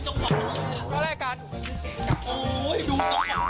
บอกแล้วเรามันเก่งกักไงมึง